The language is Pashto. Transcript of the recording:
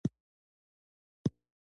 د سوات واکمن خپله لور بابر ته ورکړه،